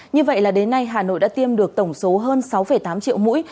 như vậy là đến nay hà nội đã tiêm được tổng số hơn sáu tám triệu mũi